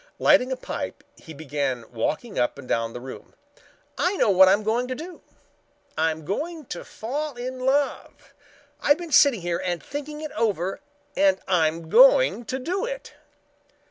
Lighting a pipe he began walking up and down the room. "I know what I'm going to do. I'm going to fall in love. I've been sitting here and thinking it over and I'm going to do it."